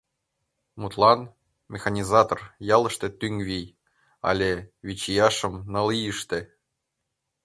Мутлан, «Механизатор — ялыште тӱҥ вий!» але «Вичияшым — ныл ийыште!».